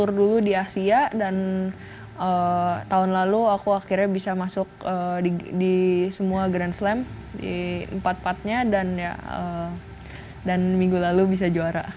saya pikir dulu di asia dan tahun lalu aku akhirnya bisa masuk di semua grand slam di empat partnya dan minggu lalu bisa juara